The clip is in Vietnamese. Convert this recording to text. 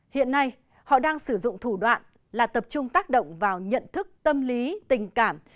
hiện nay họ đang sử dụng thủ đoạn là tập trung tác động vào nhận thức tâm lý tình cảm